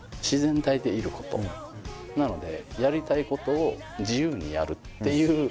なので。